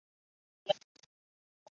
应用社会学研究社会各种领域。